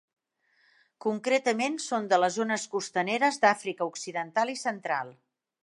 Concretament són de les zones costaneres d'Àfrica Occidental i Central.